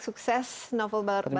sukses novel barunya